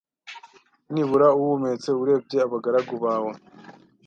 nibura uhumetse urebye abagaragu bawe